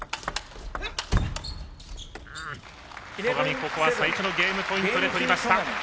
戸上、ここは最初のゲームポイントで取りました。